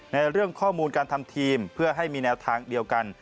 ในเรื่องข้อมูลการทำทีมเพื่อให้มีแนวทางเดียวกัน